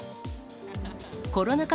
コロナ禍